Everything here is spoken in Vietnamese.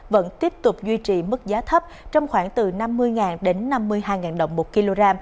vẫn tiếp tục duy trì mức giá thấp trong khoảng từ năm mươi đến năm mươi hai đồng một kg